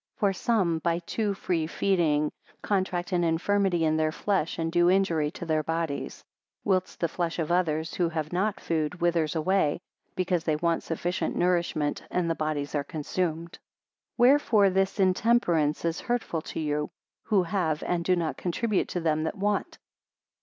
For some by too free feeding contract an infirmity in their flesh, and do injury to their bodies; whilst the flesh of others, who have not food, withers away, because they want sufficient nourishment, and the bodies are consumed. 99 Wherefore this intemperance is hurtful to you, who have, and do not contribute to them that want.